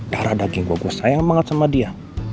darah daging gue gue sayang banget sama dia